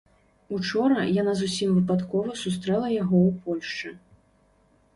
Учора яна зусім выпадкова сустрэла яго ў Польшчы.